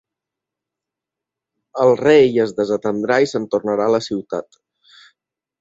El rei es desatendà i se'n tornà a la ciutat.